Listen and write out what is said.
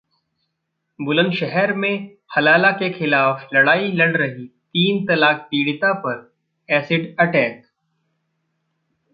बुलंदशहर में हलाला के खिलाफ लड़ाई लड़ रही तीन तलाक पीड़िता पर एसिड अटैक